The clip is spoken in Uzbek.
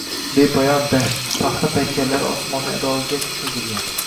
Bepayon dasht. Paxta paykallari osmonning adogʻigacha choʻzilgan.